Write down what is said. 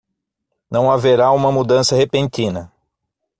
Não haverá uma mudança repentina